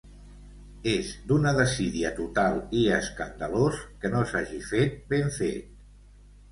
És d’una desídia total, i escandalós que no s’hagi fet ben fet.